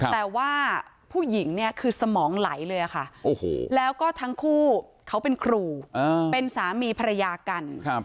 แต่ว่าผู้หญิงเนี่ยคือสมองไหลเลยค่ะแล้วก็ทั้งคู่เขาเป็นครูเป็นสามีภรรยากัน